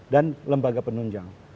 dan lembaga penunjang